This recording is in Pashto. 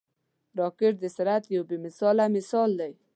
راکټ د سرعت یو بې مثاله مثال دی